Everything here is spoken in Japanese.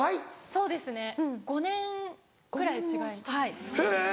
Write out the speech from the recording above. そうですね５年くらい違います。